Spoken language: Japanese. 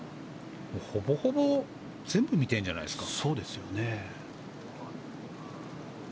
ほぼほぼ全部見てるんじゃないですか？